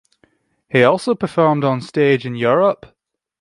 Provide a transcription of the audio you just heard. He also performed on stage in Europe.